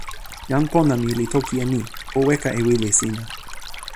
jan pona mi li toki e ni: o weka e wile sina.